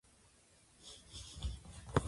見えないものを見ようとして、望遠鏡を覗き込んだ